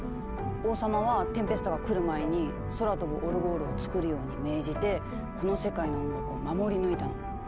王様はテンペスタが来る前に空飛ぶオルゴールを作るように命じてこの世界の音楽を守り抜いたの。